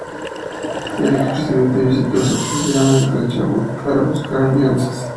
El expresidente visitó sorpresivamente Chubut para buscar alianzas.